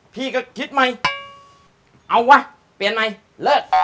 พี่ก็คิดใหม่เอาวะเปลี่ยนใหม่เลิก